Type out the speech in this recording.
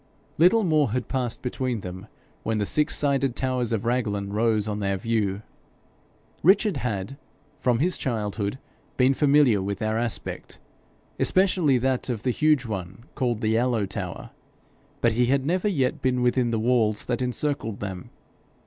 Little more had passed between them when the six sided towers of Raglan rose on their view. Richard had, from childhood, been familiar with their aspect, especially that of the huge one called the Yellow Tower, but he had never yet been within the walls that encircled them.